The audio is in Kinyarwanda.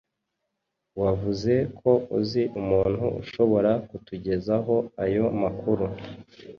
Wavuze ko uzi umuntu ushobora kutugezaho ayo makuru.